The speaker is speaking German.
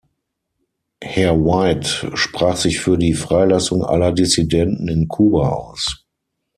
Herr White sprach sich für die Freilassung aller Dissidenten in Kuba aus.